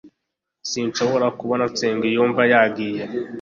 sinshobora kubona nsengiyumva. yagiye